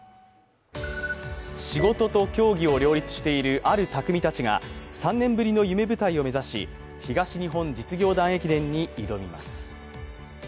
仕事と競技を両立しているある匠たちが３年ぶりの夢舞台を目指し、東日本実業団駅伝に挑みます。